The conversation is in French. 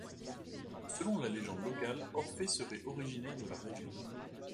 Selon la légende locale, Orphée serait originaire de la région.